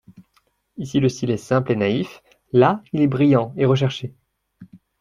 Ici, le style est simple et naïf ; là, il est brillant et recherché.